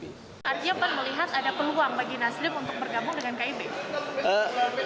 artinya pan melihat ada peluang bagi nasdem untuk bergabung dengan kib